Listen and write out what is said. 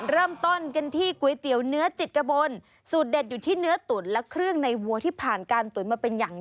รสชาติข้าวเนื้อสุดต่อด้วยร้านบะหมี่เกี้ยวกวางตุ้ง